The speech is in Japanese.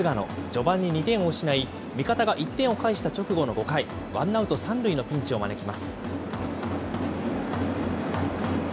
序盤に２点を失い、味方が１点を返した直後の５回、ワンアウト３塁のピンチを招きます。